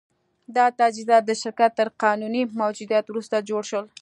دا تجهیزات د شرکت تر قانوني موجودیت وروسته جوړ شول